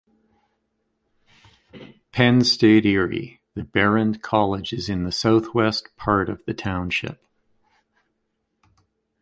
Penn State Erie, The Behrend College is in the southwest part of the township.